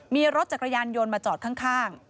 มีรถจักรยานยนต์มาจอดข้าง